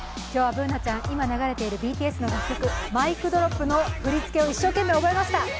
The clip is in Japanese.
今日はＢｏｏｎａちゃん、今流れているＢＴＳの楽曲、「ＭＩＣＤｒｏｐ」の振り付けを一生懸命覚えました。